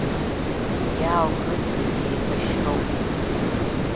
Иааурызеи, еибашьроуп!